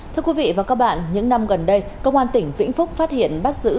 thưa quý vị và các bạn những năm gần đây công an tỉnh vĩnh phúc phát hiện bắt giữ